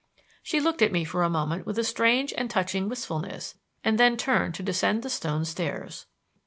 She looked at me for a moment with a strange and touching wistfulness and then turned to descend the stone stairs.